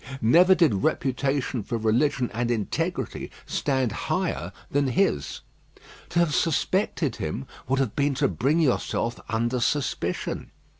Never did reputation for religion and integrity stand higher than his. To have suspected him would have been to bring yourself under suspicion.